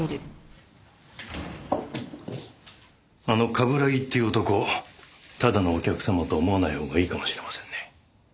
あの冠城っていう男ただのお客様と思わないほうがいいかもしれませんね。